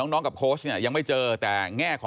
น้องกับโค้ชยังไม่เจอ